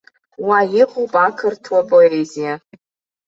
Уа иҟоуп ақырҭуа поезиа.